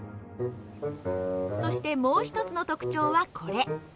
そしてもう一つの特徴はこれ。